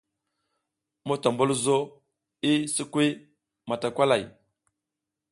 Motombulzo i sikwi matakay.